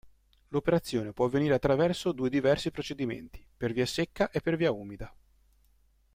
L'operazione può avvenire attraverso due diversi procedimenti: per via secca e per via umida.